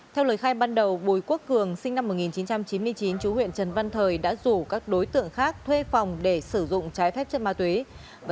theo lời khai ban đầu bùi quốc cường sinh năm một nghìn chín trăm chín mươi chín chú huyện trần văn thời đã rủ các đối tượng khác thuê phòng để sử dụng trái phép chất ma túy